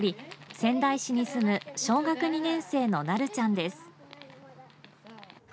仙台市に住む小学２年生のなるちゃんです。